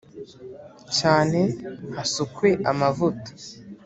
Cyane hasukwe amavuta .